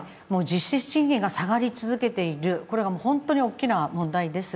実質賃金が下がり続けている、本当に大きな問題です。